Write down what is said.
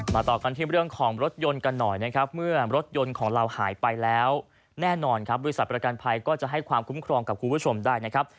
ต่อกันที่เรื่องของรถยนต์กันหน่อยนะครับเมื่อรถยนต์ของเราหายไปแล้วแน่นอนครับบริษัทประกันภัยก็จะให้ความคุ้มครองกับคุณผู้ชมได้นะครับ